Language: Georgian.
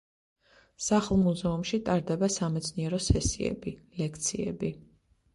სახლ-მუზეუმში ტარდება სამეცნიერო სესიები, ლექციები.